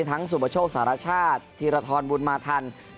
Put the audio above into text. ทั้งสุมประโชคศาลชาติธีรฐรมุนมาธรรม